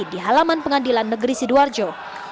di halaman pengadilan negeri sidoarjo